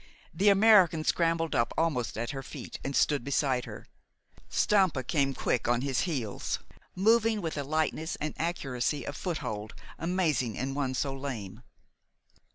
The American scrambled up, almost at her feet, and stood beside her. Stampa came quick on his heels, moving with a lightness and accuracy of foothold amazing in one so lame.